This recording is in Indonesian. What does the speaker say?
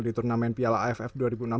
di turnamen piala aff dua ribu enam belas